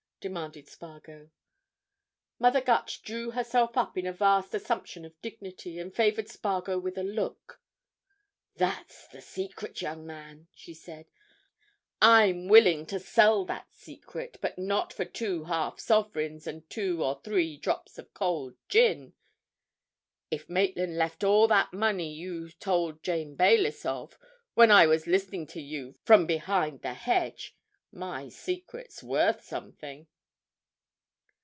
demanded Spargo. Mother Gutch drew herself up in a vast assumption of dignity, and favoured Spargo with a look. "That's the secret, young man," she said. "I'm willing to sell that secret, but not for two half sovereigns and two or three drops of cold gin. If Maitland left all that money you told Jane Baylis of, when I was listening to you from behind the hedge, my secret's worth something."